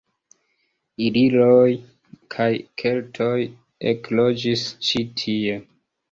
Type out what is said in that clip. Iliroj kaj keltoj ekloĝis ĉi tie.